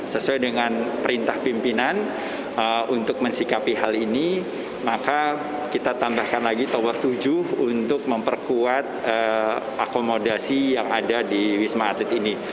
sesuai dengan perintah pimpinan untuk mensikapi hal ini maka kita tambahkan lagi tower tujuh untuk memperkuat akomodasi yang ada di wisma atlet ini